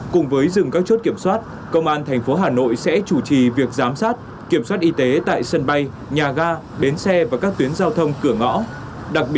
cùng với dừng các chốt kiểm soát công an tp hà nội sẽ chủ trì việc giám sát kiểm soát y tế tại sân bay nhà ga bến xe và các tuyến giao thông cửa ngõ